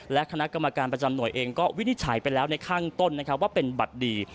และคณะกรรมการประจำหน่วยเองก็วินิจฉัยไปแล้วในข้างต้นนะครับว่าเป็นบัตรดี